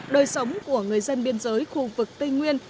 đời sống của người dân biên giới khu vực tây nguyên